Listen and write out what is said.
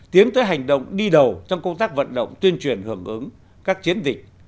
tiến tới hành động đi đầu trong công tác vận động tuyên truyền hưởng ứng các chiến dịch